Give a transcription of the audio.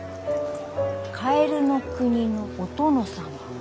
カエルの国のお殿様。